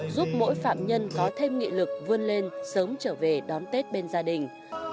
giúp mỗi phạm nhân có thêm nghị lực vươn lên sớm trở về đón tết bên gia đình